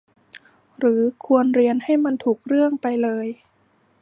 หรือควรเรียนให้มันถูกเรื่องไปเลย